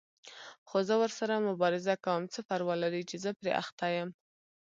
خو زه ورسره مبارزه کوم، څه پروا لري چې زه پرې اخته یم.